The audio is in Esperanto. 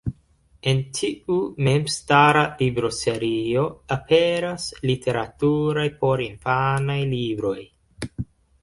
En tiu memstara libroserio aperas literaturaj porinfanaj libroj.